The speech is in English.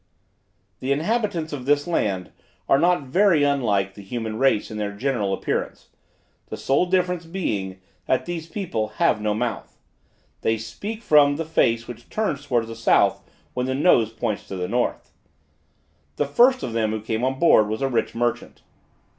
The inhabitants of this land are not very unlike the human race in their general appearance; the sole difference being, that these people have no mouth: they speak from the face which turns towards the south when the nose points to the north. The first of them who came on board, was a rich merchant.